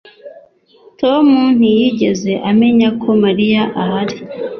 Tom ntiyigeze amenya ko Mariya ahari